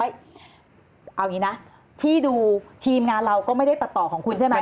เอาอย่างนี้นะที่ดูทีมงานเราก็ไม่ได้ตัดต่อของคุณใช่ไหม